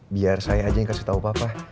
biar saya aja yang kasih tau papa